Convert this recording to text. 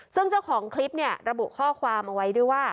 ซึ่งเจ้าของคลิปเนี่ยระบุข้อความเอาไว้ด้วยว่า